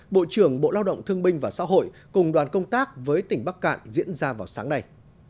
bộ trưởng bộ lao động thương binh và xã hội cùng đoàn công tác với tỉnh bắc cạn diễn ra vào sáng nay